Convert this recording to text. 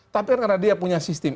tapi karena dia punya sistem